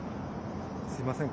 すみません。